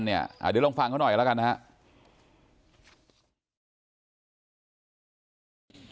เดี๋ยวลองฟังกันน้อยละกันนะครับ